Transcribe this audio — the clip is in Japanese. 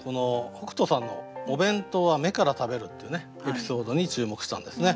北斗さんのお弁当は目から食べるっていうねエピソードに注目したんですね。